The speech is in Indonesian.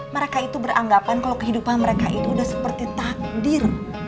mereka itu beranggapan kalau kehidupan mereka itu udah seperti takdir